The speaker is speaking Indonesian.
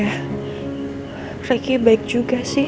assalamualaikum warahmatullahi wabarakatuh